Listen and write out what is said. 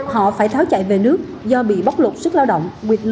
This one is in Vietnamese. họ phải tháo chạy về nước do bị bóc lột sức lao động